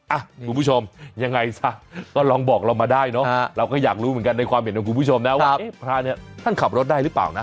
คุณผู้ชมยังไงซะก็ลองบอกเรามาได้เนอะเราก็อยากรู้เหมือนกันในความเห็นของคุณผู้ชมนะว่าเอ๊ะพระเนี่ยท่านขับรถได้หรือเปล่านะ